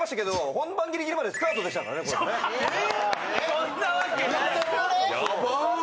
そんなわけない！